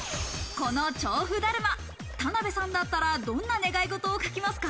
このちょう布だるま、田辺さんだったら、どんな願い事を書きますか？